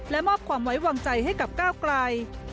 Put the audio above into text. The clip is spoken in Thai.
และมอบความไว้วางใจให้กับก้าวไกล